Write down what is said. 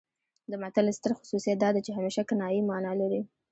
د متل ستر خصوصیت دا دی چې همیشه کنايي مانا لري